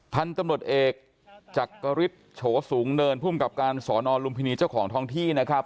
ท่านตำรวจเอกจากกระริษโฉสูงเนินพุ่มกับการสอนอนลุมพินีเจ้าของท้องที่นะครับ